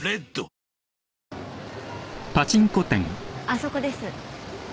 あそこです。